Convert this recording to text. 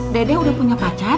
dede udah punya pacar